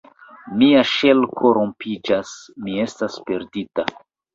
Mia ŝelko rompiĝas: mi estas perdita!